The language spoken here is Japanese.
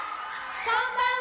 こんばんは。